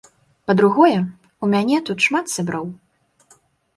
Па-другое ў мяне тут шмат сяброў.